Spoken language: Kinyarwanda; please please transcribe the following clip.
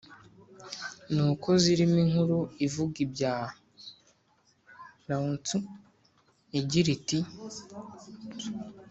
ni uko zirimo inkuru ivuga ibya lao-tzu igira iti